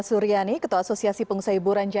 terima kasih bu hannah